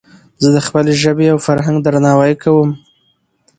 زه د خپلي ژبي او فرهنګ درناوی کوم.